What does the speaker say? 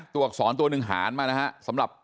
ตัวอักษรตัวนึงหารมานะฮะ